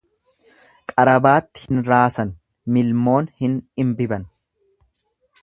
Qarabaatti hin raasan milmoon hin dhimbiban.